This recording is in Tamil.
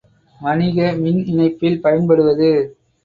வணிக மின் இணைப்பில் பயன்படுவது.